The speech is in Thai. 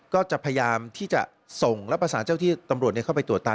ก็จะพยายามที่จะส่งและประสานเจ้าที่ตำรวจเข้าไปตรวจตา